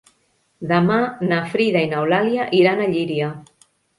Demà na Frida i n'Eulàlia iran a Llíria.